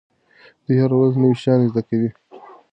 دوی هره ورځ نوي شیان زده کوي.